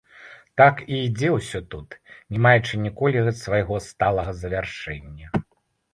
Так і ідзе ўсё тут, не маючы ніколі свайго сталага завяршэння.